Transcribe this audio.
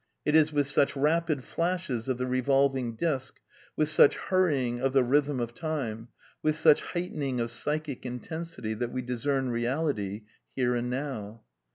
It is with such rapid flashes / of the revolving disc, with such hurrying of the rhythm of I time, with such heightening of psychic intensity that we / discern Beality here and now.